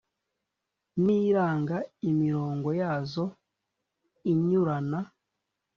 n iranga imirongo yazo inyurana